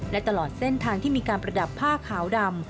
และตลอดเส้นทางที่มีการประดับผ้าขาวดำ